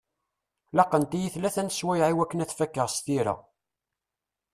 Laqent-iyi tlata n sswayeɛ i wakken ad t-fakeɣ s tira.